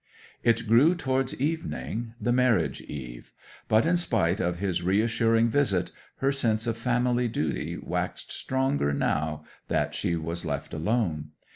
It grew towards evening the marriage eve; but, in spite of his re assuring visit, her sense of family duty waxed stronger now that she was left alone.